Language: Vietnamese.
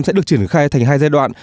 sẽ được triển khai thành hai giai đoạn